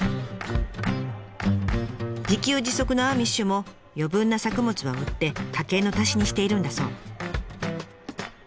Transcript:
自給自足のアーミッシュも余分な作物は売って家計の足しにしているんだそう。